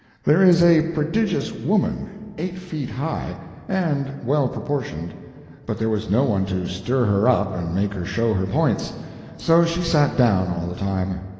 There is a prodigious woman, eight feet high, and well proportioned, but there was no one to stir her up and make her show her points, so she sat down all the time.